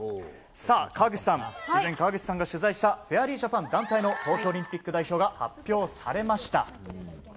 川口さん、以前川口さんが取材したフェアリージャパン団体の東京オリンピック代表が発表されました。